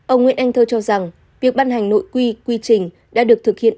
ông nguyễn anh thơ cho rằng việc ban hành nội quy quy trình đã được thực hiện